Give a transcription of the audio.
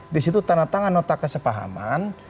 disitu tanah tangan otak kesepahaman